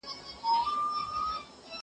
زه پرون د تکړښت لپاره وم!.